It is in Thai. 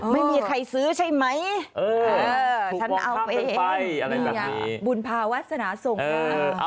ไม่มีใครซื้อใช่ไหมเออเออฉันเอาไปอะไรแบบนี้บุญพาวาสนาส่งเออ